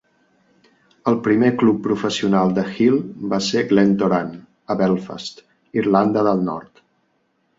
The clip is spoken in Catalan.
El primer club professional de Hill va ser Glentoran, a Belfast, Irlanda del Nord.